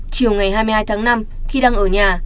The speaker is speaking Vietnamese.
chiều ngày hai mươi hai tháng năm khi đang ở nhà